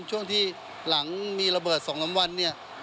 ช่วงที่หลังมีระเบิด๒๓วันเนี่ย